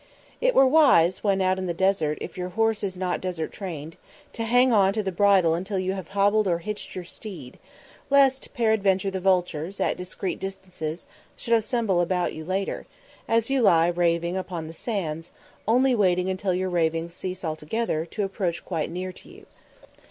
It were wise when out in the desert, if your horse is not desert trained, to hang on to the bridle until you have hobbled or hitched your steed, lest peradventure the vultures, at a discreet distance, should assemble about you later, as you lie raving upon the sands, only waiting until your ravings cease altogether, to approach quite near to you.